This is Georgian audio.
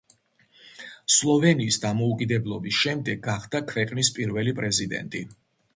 სლოვენიის დამოუკიდებლობის შემდეგ გახდა ქვეყნის პირველი პრეზიდენტი.